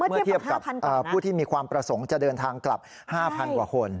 เมื่อเทียบกับผู้ที่มีความประสงค์จะเดินทางกลับ๕๐๐กว่าคน